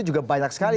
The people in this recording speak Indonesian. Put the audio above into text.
juga banyak sekali